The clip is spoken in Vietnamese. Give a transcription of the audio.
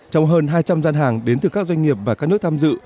trong hơn hai trăm linh gian hàng đến từ các doanh nghiệp và các nước tham dự